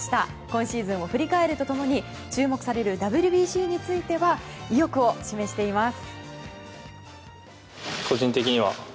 今シーズンを振り返ると共に注目されるＷＢＣについては意欲を示しています。